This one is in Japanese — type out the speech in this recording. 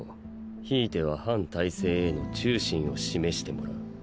延いては反体制への忠信を示してもらう。